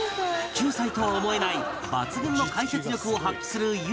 ９歳とは思えない抜群の解説力を発揮する裕加ちゃん